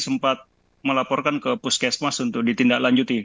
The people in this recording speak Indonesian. sempat melaporkan ke puskesmas untuk ditindaklanjuti